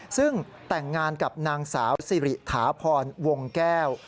ซึ่งแต่งงานกับนางสาวสิริถาพรวงแก้ว